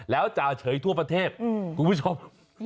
แล้วจ่าเฉยทั่วประเทศคุณผู้ชม